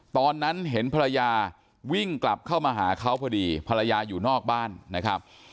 ตอนนั้นเห็นภรรยาวิ่งกลับเข้ามาหาเขาพอดีภรรยาอยู่นอกบ้านนะครับ